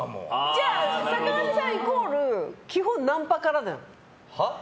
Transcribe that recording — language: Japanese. じゃあ、坂上さんイコール基本、ナンパからじゃん。